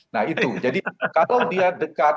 nah itu jadi kalau dia dekat